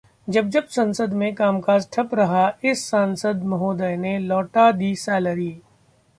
जब-जब संसद में कामकाज ठप रहा इस सांसद महोदय ने लौटा दी सैलरी